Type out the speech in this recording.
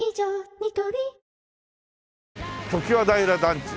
ニトリ常盤平団地。